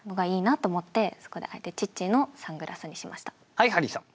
はいハリーさん。